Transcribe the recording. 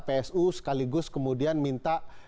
psu sekaligus kemudian minta